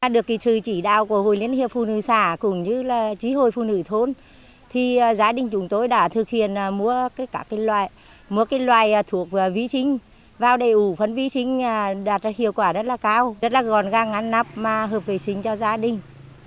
được kỳ trừ chỉ đạo của hội liên hiệp phụ nữ xã cùng với chí hội phụ nữ thôn gia đình chúng tôi đã thực hiện mua các loại thuộc vi sinh vào đầy ủ phân vi sinh đạt hiệu quả rất cao rất gòn gàng ngắn nắp hợp vệ sinh cho gia đình